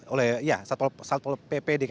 oleh satu pp dki